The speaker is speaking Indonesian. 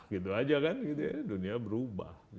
gitu aja kan dunia berubah